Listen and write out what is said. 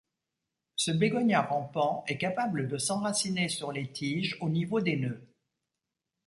Ce bégonia rampant est capable de s'enraciner sur les tiges, au niveau des nœuds.